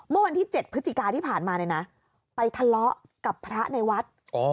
เมื่อวันที่๗พฤศจิกาที่ผ่านมาเนี่ยนะไปทะเลาะกับพระในวัด